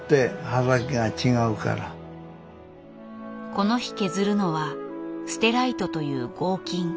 この日削るのはステライトという合金。